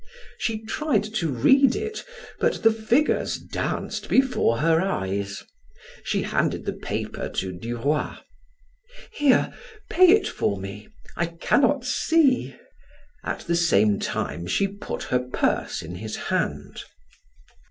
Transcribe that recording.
She tried to read it, but the figures danced before her eyes; she handed the paper to Duroy. "Here, pay it for me; I cannot see." At the same time, she put her purse in his hand.